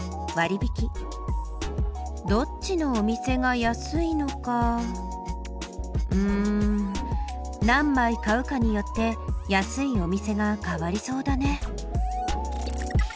どっちのお店が安いのかうん何枚買うかによって安いお店が変わりそうだね。